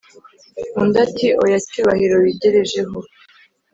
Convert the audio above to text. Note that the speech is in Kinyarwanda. undi ati"oya cyubahiro wigerejeho